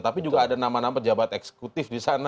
tapi juga ada nama nama pejabat eksekutif disana